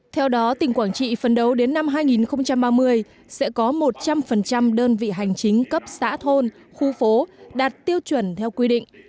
theo đó tỉnh quảng trị phân đấu đến năm hai nghìn ba mươi sẽ có một trăm linh đơn vị hành chính cấp xã thôn khu phố đạt tiêu chuẩn theo quy định